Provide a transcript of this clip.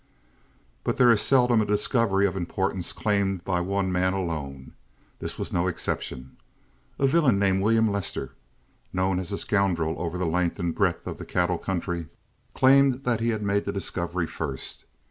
"But there is seldom a discovery of importance claimed by one man alone. This was no exception. A villain named William Lester, known as a scoundrel over the length and breadth of the cattle country, claimed that he had made the discovery first.